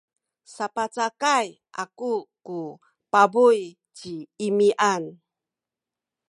sapacakay aku ku pabuy ci Imian.